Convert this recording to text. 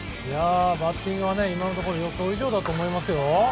バッティングは今のところ予想以上だと思いますよ。